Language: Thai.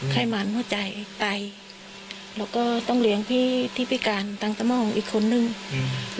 ไข้หมานหัวใจไตแล้วก็ต้องเลี้ยงพี่ที่พิการทางสมองอีกคนนึงอืม